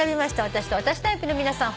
私と私タイプの皆さん